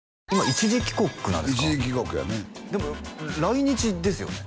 一時帰国やねでも来日ですよね？